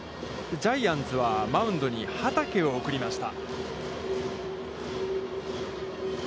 ジャイアンツは、マウンドに畠を送りました。